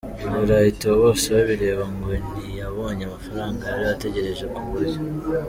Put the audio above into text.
i Burayi Theo Bosebabireba ngo ntiyabonye amafaranga yari ategereje kuburyo.